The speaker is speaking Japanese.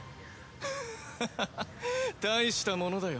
ハハハハたいしたものだよ。